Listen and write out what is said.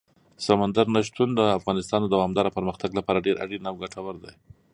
سمندر نه شتون د افغانستان د دوامداره پرمختګ لپاره ډېر اړین او ګټور دی.